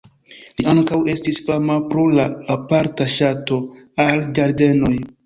Li ankaŭ estis fama pro la aparta ŝato al ĝardenoj.